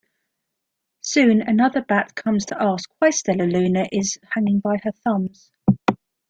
Soon another bat comes to ask why Stellaluna is hanging by her thumbs.